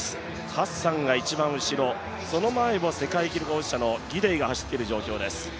ハッサンが一番後ろ、その前を世界記録保持者のギデイが走っている状況です。